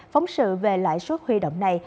phóng sự về lãi suất huy động này